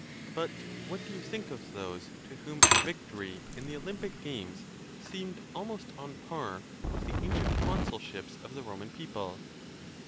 But what do you think of those to whom a vic tory in the Olympic games seemed almost on a par with the ancient consulships of the Roman people?